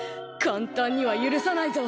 簡単には許さないぞ。